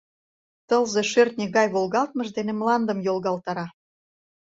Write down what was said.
Тылзе шӧртньӧ гай волгалтмыж дене мландым йолгалтара.